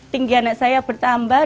tinggi anak saya bertambah